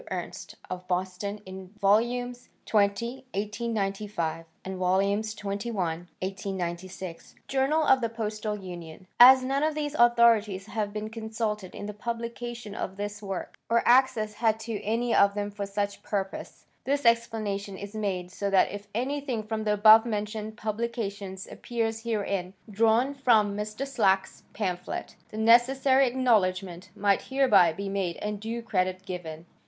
Ernst of Boston in Vols. XX, 1895, and XXI, 1896; Journal of the Postal Union." As none of these authorities have been consulted in the publication of this work, or access had to any of them for such purpose, this explanation is made so that if anything from the above mentioned publications appears herein, drawn from Mr. Slack's pamphlet, the necessary acknowledgment might hereby be made and due credit given.